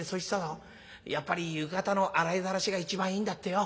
やっぱり浴衣の洗いざらしが一番いいんだってよ。